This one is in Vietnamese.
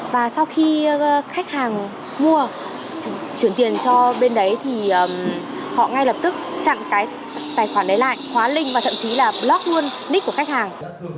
và sau khi khách hàng mua chuyển tiền cho bên đấy thì họ ngay lập tức chặn cái tài khoản đấy lại hóa linh và thậm chí là block luôn nep của khách hàng